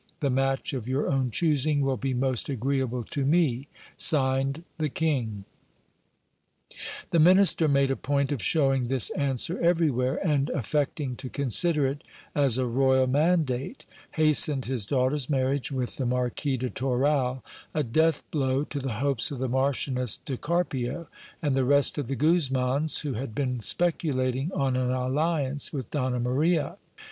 The match of your own choosing will be most agreeable to me." (Signed) The King. The minister made a point of shewing this answer everywhere ; and affecting to consider it as a royal mandate, hastened his daughter's marriage with the Marquis de Toral ; a death blow to the hopes of the Marchioness de Carpio, and the rest of the Guzmans who had been speculating on an alliance with Donna Maria.